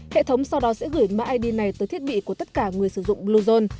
hệ thống sau đó sẽ gửi mã id này tới thiết bị của tất cả người sử dụng bluezone